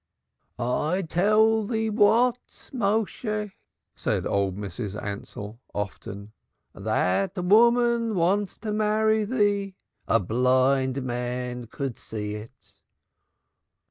"I tell thee what, Méshe," said old Mrs. Ansell often, "that woman wants to marry thee. A blind man could see it."